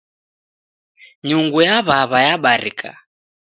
Nyungu ya w'aw'a yabarika